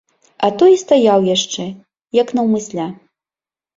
А той і стаяў яшчэ, як наўмысля.